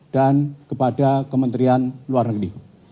dan kepada kementerian luar negeri